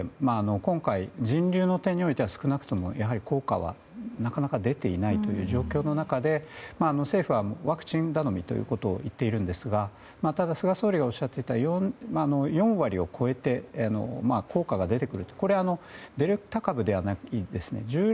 今回、人流の点においては少なくとも効果はなかなか出ていないという状況の中で政府はワクチン頼みだということを言っているんですがただ、菅総理がおっしゃっていた４割を超えて効果が出てくるというのはデルタ株ではないです。